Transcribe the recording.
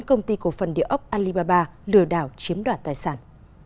công ty cổ phần địa ốc alibaba lừa đảo chiếm đoạt tài sản